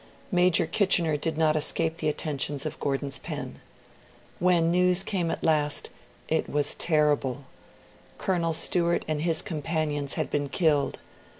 Major Kitchener did not escape the attentions of Gordon's pen. When news came at last, it was terrible: Colonel Stewart and his companions had been killed.